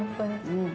うん。